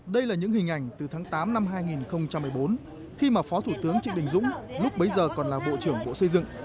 đây là những hình ảnh từ tháng tám năm hai nghìn một mươi bốn khi mà phó thủ tướng trịnh đình dũng lúc bấy giờ còn là bộ trưởng bộ xây dựng